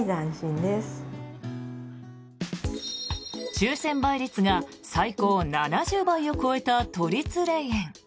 抽選倍率が最高７０倍を超えた都立霊園。